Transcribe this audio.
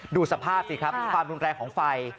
ดูสภาพสิครับความรุนแรงของไฟ